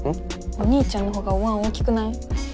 お兄ちゃんのほうがおわん大きくない？